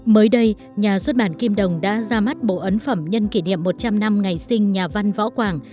mới đây nhà xuất bản kim đồng đã ra mắt bộ ấn phẩm nhân kỷ niệm một trăm linh năm ngày sinh nhà văn võ quảng